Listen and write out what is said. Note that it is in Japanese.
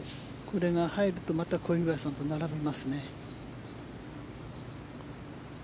これが入るとまた小祝さんと並びますね。